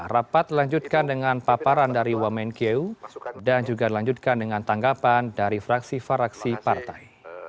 rapat dilanjutkan dengan paparan dari wamenkeu dan juga dilanjutkan dengan tanggapan dari fraksi fraksi partai